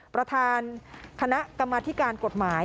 ประธานคณะกรรมธิการกฎหมาย